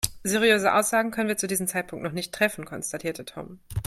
Seriöse Aussagen können wir zu diesem Zeitpunkt noch nicht treffen, konstatierte Tom.